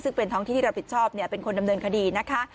ซึ่งเป็นท้องที่ที่รับผิดชอบเป็นคนดำเนินคดีนะคะ